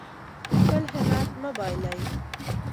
خپل همت مه بایلئ.